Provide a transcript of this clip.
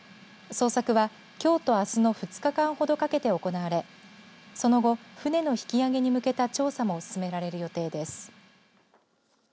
捜索はきょうとあすの２日間ほどかけて行われその後、船の引き揚げに向けた調査も進められる予定です。